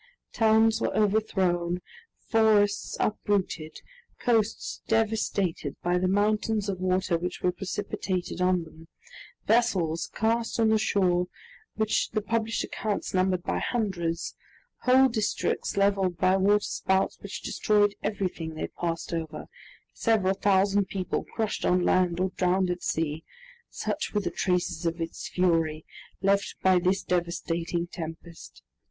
Towns were overthrown, forests uprooted, coasts devastated by the mountains of water which were precipitated on them, vessels cast on the shore, which the published accounts numbered by hundreds, whole districts leveled by waterspouts which destroyed everything they passed over, several thousand people crushed on land or drowned at sea; such were the traces of its fury, left by this devastating tempest.